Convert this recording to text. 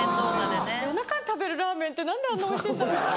夜中に食べるラーメンって何であんなおいしいんだろう。